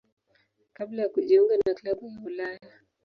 kabla ya kujiunga na klabu ya Ulaya.